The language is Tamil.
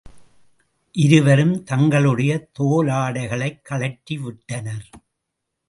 இருவரும் தங்களுடைய தோலாடைகளைக் கழற்றிவிட்டனர்.